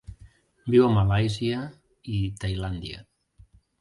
Viu a Malàisia i Tailàndia.